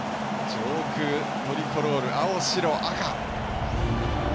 上空、トリコロール青、白、赤！